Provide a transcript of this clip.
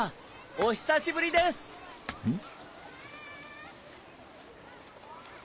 お久しぶりです・ん？